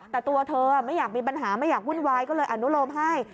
แต่ตัวเธอไม่อยากมีปัญหาไม่อยากวุ่นวายก็เลยอนุโลมให้